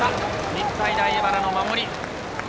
日体大荏原の守り。